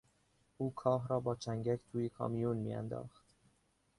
او کاه را با چنگک توی کامیون میانداخت.